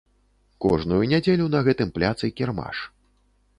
Кожную нядзелю на гэтым пляцы кірмаш.